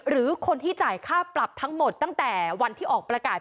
หรือคนที่จ่ายค่าปรับทั้งหมดตั้งแต่วันที่ออกประกาศ